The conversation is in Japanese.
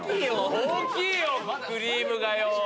大きいよ、クリームがよ。